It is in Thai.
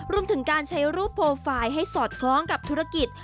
รวมถึงการใช้รูปโปรไฟล์ให้สอดคล้องกับธุรกิจ